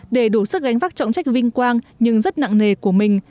để đủ sức gánh vác trọng trách vinh quang nhưng rất nặng nề của mình